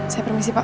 saya permisi pak